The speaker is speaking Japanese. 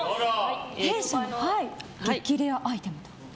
弊社の激レアアイテムと。